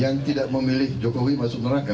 yang tidak memilih jokowi masuk neraka